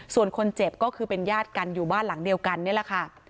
ส่วนคนเจ็บก็คือเป็นญาติกันอยู่บ้านหลังเดียวกันนี่แหละค่ะ